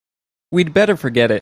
We'd better forget it.